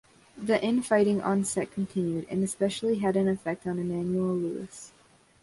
The in-fighting on set continued, and especially had an effect on Emmanuel Lewis.